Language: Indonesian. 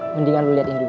mendingan lo liatin dulu